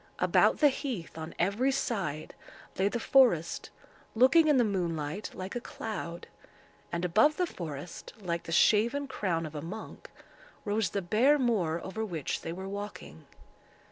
About the heath, on every side, lay the forest, looking in the moonlight like a cloud; and above the forest, like the shaven crown of a monk, rose the bare moor over which they were walking.